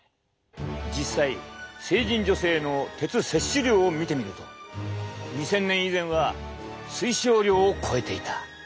実際成人女性の鉄摂取量を見てみると２０００年以前は推奨量を超えていた。